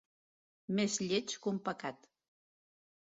Més lleig que un pecat.